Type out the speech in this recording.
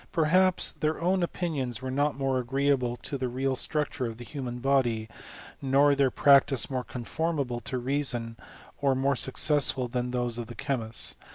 Per haps their own opinions were not more agreeable to the real structure of the human body, nor their prac tice more conformable to reason, or more successful than those of the chemists.